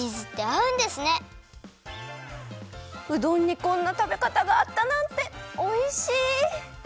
うどんにこんなたべかたがあったなんておいしい！